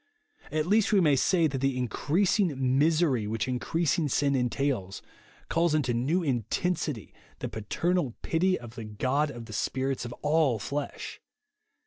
At least we may say that the increasing misery whicli increasing sin entails, calls into new intensity the paternal pity of the God of the spiiits of all flesh.